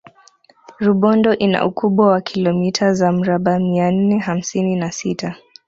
Rubondo ina ukubwa wa kilomita za mraba mia nne hamsini na sita